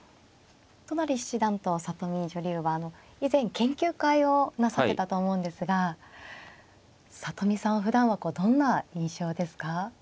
都成七段と里見女流は以前研究会をなさってたと思うんですが里見さんふだんはどんな印象ですか。